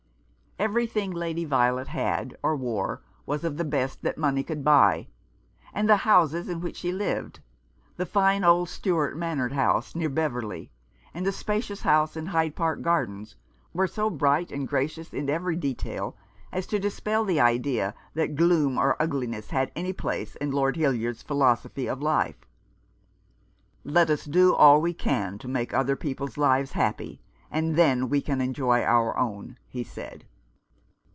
Everything Lady Violet had or wore was of the best that money could buy ; and the houses in which she lived, the fine old Stuart Manor House near Beverley, and the spacious house in Hyde Park Gardens, were so bright and gracious in every detail as to dispel the idea that gloom or ugliness had any place in Lord Hild yard's philosophy of life. " Let us do all we can to make other people's lives happy, and then we can enjoy our own," he said.